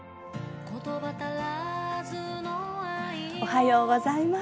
おはようございます。